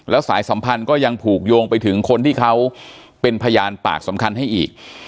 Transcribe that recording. สายสัมพันธ์ก็ยังผูกโยงไปถึงคนที่เขาเป็นพยานปากสำคัญให้อีก